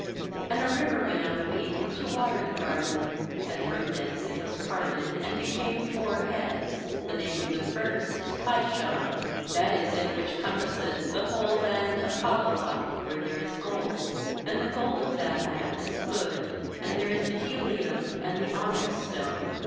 l°And a river went out of Eden to water the garden; and from thence it was parted, and became four heads. uThe name of the first is Pishon; that is it which compasseth the whole land of Havilah, where there is gold; 12and the gold of that land is good; there is bdellium and the onyx stone.